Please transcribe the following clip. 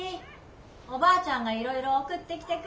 おばあちゃんがいろいろ送ってきてくれたよ。